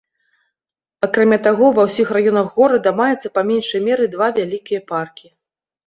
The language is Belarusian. Акрамя таго, ва ўсім раёнах горада маецца па меншай меры два вялікія паркі.